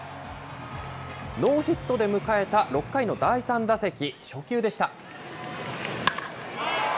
ノーヒットで迎えた６回の第３打席、初球でした。